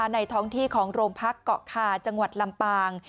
ในท้องที่ของโรงพักเกาะคาจังหวัดลำปาง